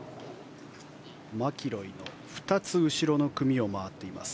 マキロイの２つ後ろの組を回っています